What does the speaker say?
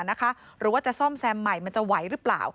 หรือว่าจะซ่อมแซมใหม่มันจะไหวหรือเปล่า